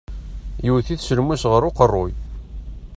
Yewwet-it s lmus ɣer uqeṛṛuy.